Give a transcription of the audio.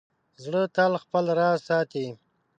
زړه تل خپل راز ساتي.